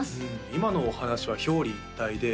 今のお話は表裏一体で